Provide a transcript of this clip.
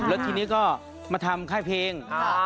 แล้วทีนี้ก็มาทำค่ายเพลง